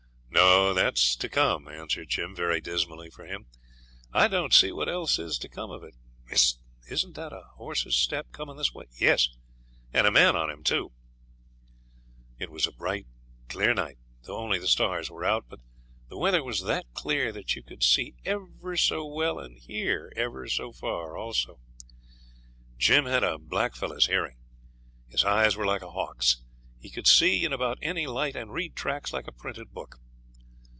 'No! that's to come,' answered Jim, very dismally for him. 'I don't see what else is to come of it. Hist! isn't that a horse's step coming this way? Yes, and a man on him, too.' It was a bright night, though only the stars were out; but the weather was that clear that you could see ever so well and hear ever so far also. Jim had a blackfellow's hearing; his eyes were like a hawk's; he could see in about any light, and read tracks like a printed book.